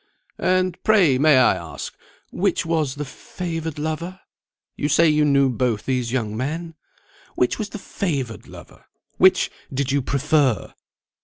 "And pray, may I ask, which was the favoured lover? You say you knew both these young men. Which was the favoured lover? Which did you prefer?"